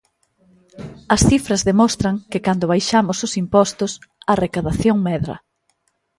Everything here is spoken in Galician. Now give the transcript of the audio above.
As cifras demostran que cando baixamos os impostos, a recadación medra.